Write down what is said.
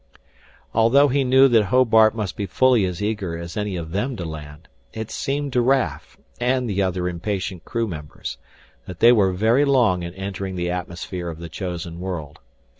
Although he knew that Hobart must be fully as eager as any of them to land, it seemed to Raf, and the other impatient crew members, that they were very long in entering the atmosphere of the chosen world.